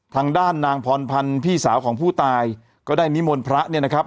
ทางด้านนางพรพันธ์พี่สาวของผู้ตายก็ได้นิมนต์พระเนี่ยนะครับ